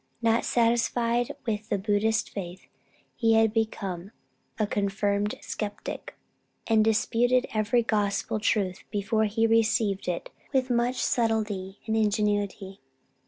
Not satisfied with the Buddhist faith he had become a confirmed skeptic, and disputed every Gospel truth before he received it with much subtilty and ingenuity.